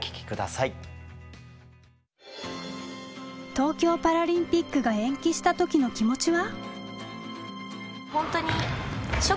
東京パラリンピックが延期した時の気持ちは？